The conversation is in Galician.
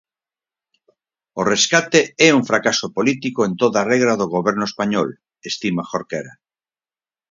O rescate é un fracaso político en toda regra do Goberno español, estima Jorquera.